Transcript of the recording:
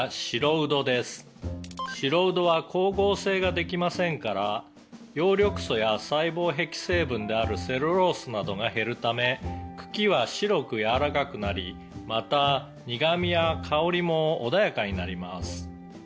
「白うどは光合成ができませんから葉緑素や細胞壁成分であるセルロースなどが減るため茎は白く柔らかくなりまた苦みや香りも穏やかになります」